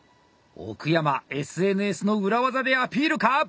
奥山ＳＮＳの裏技でアピールか！